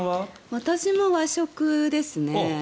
私も和食ですね。